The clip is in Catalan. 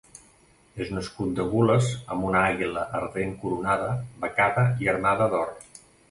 És un escut de gules amb una àguila d'argent coronada, becada i armada d'or.